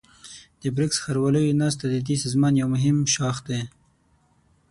د بريکس ښارواليو ناسته ددې سازمان يو مهم ښاخ دی.